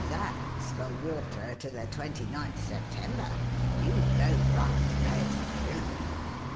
"That's for water to the 29th September. You've no right to pay it in June."